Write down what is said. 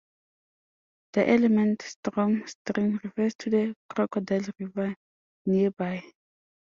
The element "stroom", 'stream', refers to the Crocodile River nearby.